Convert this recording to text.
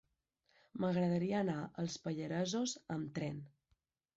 M'agradaria anar als Pallaresos amb tren.